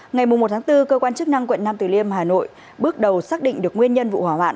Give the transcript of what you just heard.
ngày một bốn cơ quan chức năng quận nam từ liêm hà nội bước đầu xác định được nguyên nhân vụ hỏa hoạn